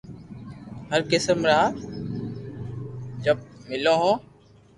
هر قسم را چپ ملو هو